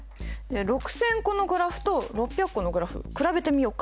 ６０００個のグラフと６００個のグラフ比べてみようか？